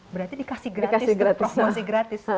berarti dikasih gratis promosi gratis